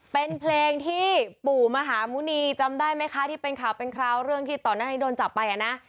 เป็นเพลงที่ปู่มหาภูนีจำได้ไหมคะที่เป็นข่าวเรื่องที่ตอนหนึ่งโดนจับไปอะนะ